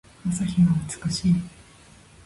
朝日が美しい。